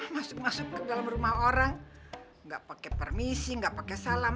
masuk masuk ke dalam rumah orang nggak pakai permisi nggak pakai salam